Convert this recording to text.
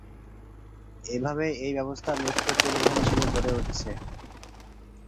এভাবে এই ব্যবস্থা মেট্রো পরিবহন হিসেবে গড়ে উঠেছে।